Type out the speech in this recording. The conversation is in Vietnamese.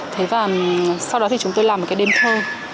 thế và sau đó thì chúng tôi làm một cái đêm thơ